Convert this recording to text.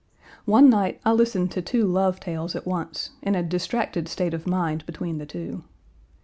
One night I listened to two love tales at once, in a distracted state of mind between the two.